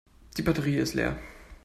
Die Batterie ist leer.